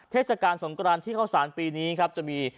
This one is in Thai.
เทศกาลสงครานที่เข้าสารปีนี้